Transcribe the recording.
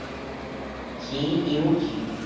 錢溶去